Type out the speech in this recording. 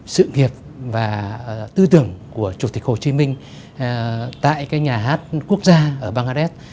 sự nghiệp và tư tưởng của chủ tịch hồ chí minh tại nhà hát quốc gia ở băng la đét